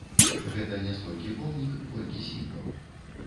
Гэта не столькі помнік, колькі сімвал.